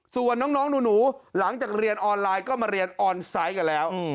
ส่วนน้องหนูหลังจากเรียนออนไลน์ก็มาเรียนออนไซต์กันแล้ว